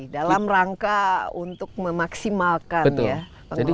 dalam rangka untuk memaksimalkan ya penggunaan